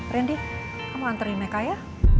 randy kamu anterin meka ya